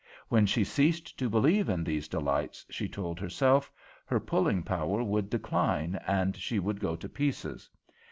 When she ceased to believe in these delights, she told herself, her pulling power would decline and she would go to pieces.